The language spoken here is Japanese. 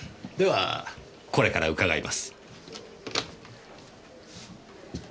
ではこれから伺います。